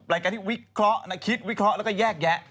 รายการที่วิเคราะห์นะคิดวิเคราะห์แล้วก็แยกแยะ